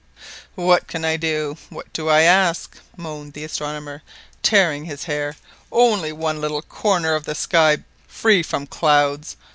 "What do I ask? what do I ask?" moaned the astronomer, tearing his hair. "Only one little corner of the sky free from clouds!